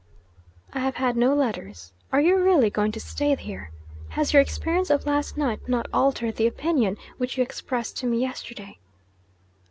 'I have had no letters. Are you really going to stay here? Has your experience of last night not altered the opinion which you expressed to me yesterday?'